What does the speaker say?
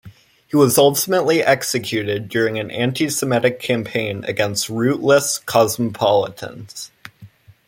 He was ultimately executed during an antisemitic campaign against "rootless cosmopolitans".